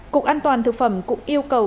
cục an toàn thực phẩm cũng yêu cầu